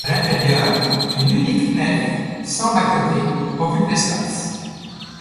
À l'intérieur, une unique nef sans bas-côté occupe l'espace.